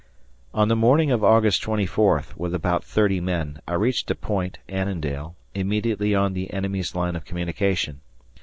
On the morning of August 24, with about 30 men, I reached a point (Annandale) immediately on the enemy's line of communication.